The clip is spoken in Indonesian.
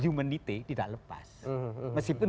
dignity tidak lepas meskipun